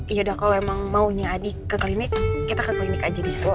yaudah kalau emang maunya adi ke klinik kita ke klinik aja disitu